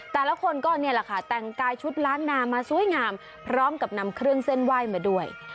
แต่ละคนก็นี่แหละค่ะแต่งกายชุดล้านนามาสวยงามพร้อมกับนำเครื่องเส้นไหว้มาด้วย